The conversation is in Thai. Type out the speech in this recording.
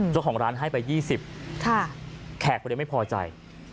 เจ้าของร้านให้ไป๒๐บาทแขกก็เลยไม่พอใจ